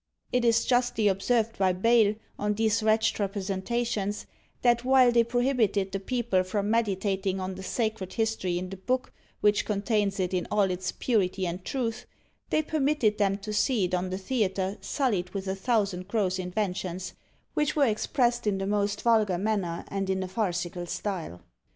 It is justly observed by Bayle on these wretched representations, that while they prohibited the people from meditating on the sacred history in the book which contains it in all its purity and truth, they permitted them to see it on the theatre sullied with a thousand gross inventions, which were expressed in the most vulgar manner and in a farcical style.